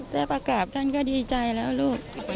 แรกว่ากราบท่านก็ดีใจแล้วลูก